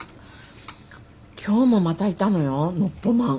今日もまたいたのよノッポマン。